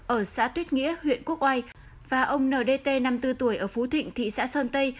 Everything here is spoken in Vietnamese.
ở xã tuyết nghĩa huyện quốc oai và ông ndt năm mươi bốn tuổi ở phú thịnh thị xã sơn tây